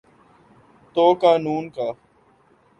تو قانون کا۔